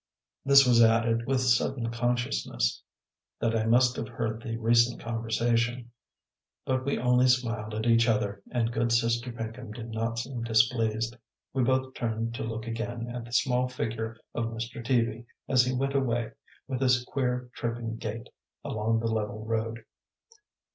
This was added with sudden consciousness that I must have heard the recent conversation, but we only smiled at each other, and good Sister Pinkham did not seem displeased. We both turned to look again at the small figure of Mr. Teaby, as he went away, with his queer, tripping gait, along the level road.